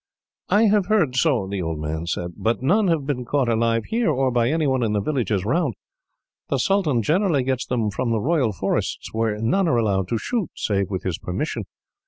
"I have heard so," the old man said, "but none have been caught alive here, or by anyone in the villages round. The sultan generally gets them from the royal forests, where none are allowed to shoot, save with his permission.